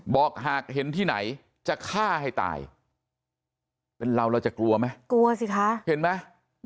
บอกหากเห็นที่ไหนจะฆ่าให้ตายเป็นเราเราจะกลัวไหมกลัวสิคะเห็นไหม